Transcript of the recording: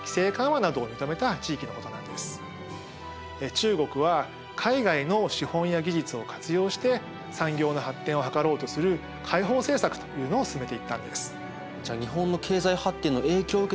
中国は海外の資本や技術を活用して産業の発展を図ろうとする開放政策というのを進めていったんです。